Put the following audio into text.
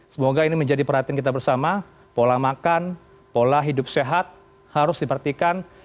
semoga ini menjadi perhatian kita bersama pola makan pola hidup sehat harus diperhatikan